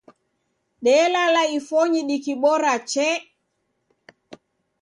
Delala ifonyi dikibora chee